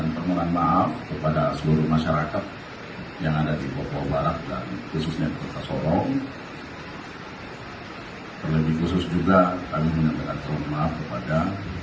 terlebih khusus juga kami menyampaikan permintaan maaf kepada